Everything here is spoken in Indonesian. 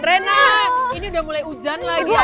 rena ini udah mulai hujan lagi ya